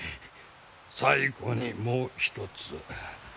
最後にもう一つ。